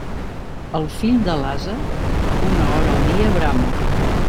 El fill de l'ase, una hora al dia brama.